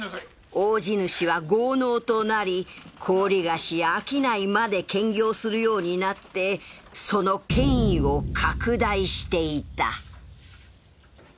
大地主は豪農となり高利貸しや商いまで兼業するようになってその権威を拡大していた